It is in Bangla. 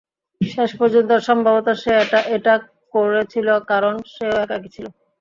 শেষ পর্যন্ত সম্ভবত সে এটা করেছিল কারণ সেও একাকী ছিল।